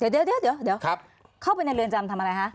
เดี๋ยวเข้าไปในเรือนจำทำอะไรคะ